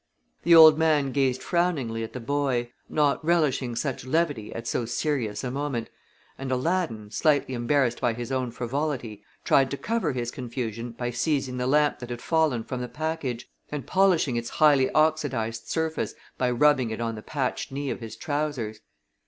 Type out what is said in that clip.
The old man gazed frowningly at the boy, not relishing such levity at so serious a moment, and Aladdin, slightly embarrassed by his own frivolity, tried to cover his confusion by seizing the lamp that had fallen from the package, and polishing its highly oxidized surface by rubbing it on the patched knee of his trousers.